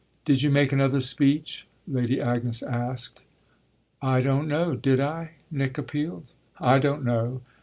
"Did you make another speech?" Lady Agnes asked. "I don't know. Did I?" Nick appealed. "I don't know!"